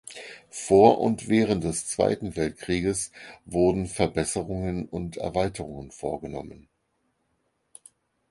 Vor und während des Zweiten Weltkrieges wurden Verbesserungen und Erweiterungen vorgenommen.